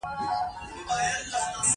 🐔 چرګه